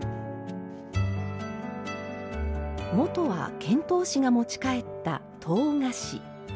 もとは遣唐使が持ち帰った唐菓子。